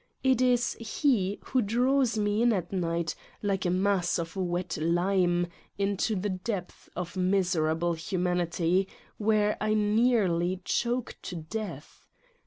It is he who draws me in at night like a mass of wet lime into the depths of miserable humanity, where I nearly choke to death.